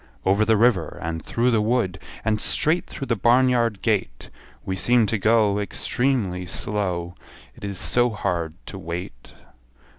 Over the river, and through the wood, And straight through the barn yard gate; We seem to go Extremely slow, It is so hard to wait.